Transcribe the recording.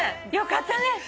よかったね。